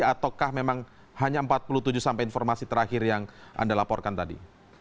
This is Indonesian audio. ataukah memang hanya empat puluh tujuh sampai informasi terakhir yang anda laporkan tadi